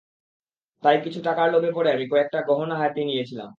তাই কিছু টাকার লোভে পড়ে আমি কয়েকটা গয়না হাতিয়ে নিয়েছিলাম।